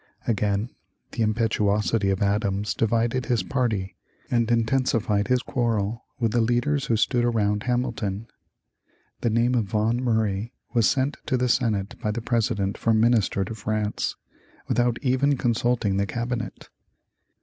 Again the impetuosity of Adams divided his party and intensified his quarrel with the leaders who stood around Hamilton. The name of Vans Murray was sent to the Senate by the President for Minister to France, without even consulting the cabinet.